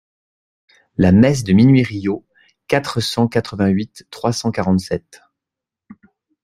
La messe de minuict Riault quatre cent quatre-vingt-huit trois cent quarante-sept.